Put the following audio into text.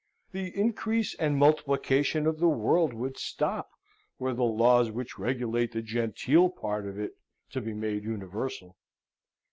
The increase and multiplication of the world would stop, were the laws which regulate the genteel part of it to be made universal.